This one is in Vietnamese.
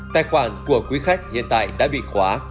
tài khoản của quý khách hiện tại đã bị khóa